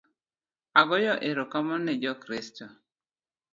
Agoyo erokamano ne jo Kristo